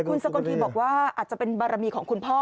คุณสกลทีบอกว่าอาจจะเป็นบารมีของคุณพ่อ